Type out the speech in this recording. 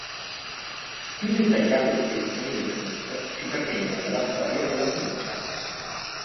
Più dettagliate descrizioni del Punt, ci pervengono dalla storia della Fenicia.